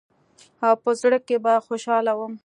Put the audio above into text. او په زړه کښې به خوشاله وم.